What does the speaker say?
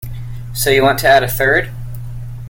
So you want to add a third?